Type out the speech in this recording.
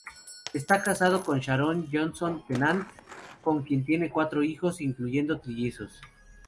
Está casado con Sharon Johnson-Tennant, con quien tiene cuatro hijos, incluyendo trillizos.